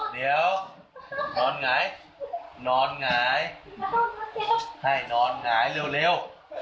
เดี๋ยวนำไงนำไงให้นำไงเร็วเร็ว